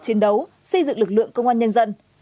chiến đấu xây dựng lực lượng công an nhân dân